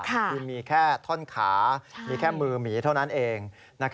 คือมีแค่ท่อนขามีแค่มือหมีเท่านั้นเอง